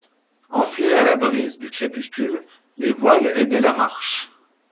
Enflées à la brise du crépuscule, les voiles aidaient la marche.